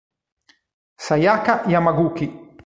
Sayaka Yamaguchi